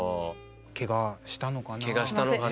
ケガしたのかな。